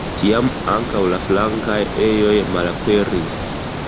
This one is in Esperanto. Tiam ankaŭ la flankaj ejoj malaperis.